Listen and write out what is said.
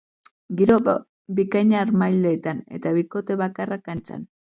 Giro bikaina harmailetan eta bikote bakarra kantxan.